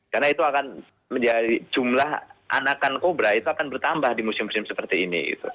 karena itu akan menjadi jumlah anakan kobra itu akan bertambah di musim musim seperti ini